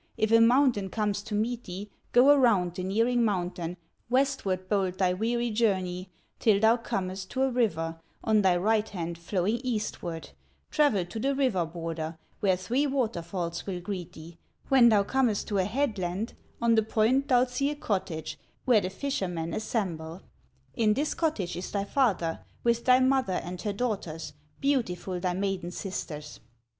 If a mountain comes to meet thee, Go around the nearing mountain, Westward hold thy weary journey, Till thou comest to a river, On thy right hand flowing eastward; Travel to the river border, Where three water falls will greet thee; When thou comest to a headland, On the point thou'lt see a cottage Where the fishermen assemble; In this cottage is thy father, With thy mother and her daughters, Beautiful thy maiden sisters."